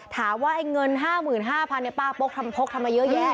ถามว่าเงิน๕๕๐๐๐บาทในป้าโป๊กทำโพกทำมาเยอะแยะ